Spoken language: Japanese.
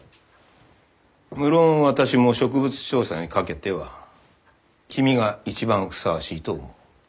無論私も植物調査にかけては君が一番ふさわしいと思う。